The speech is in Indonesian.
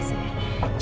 saya mau ke tempatnya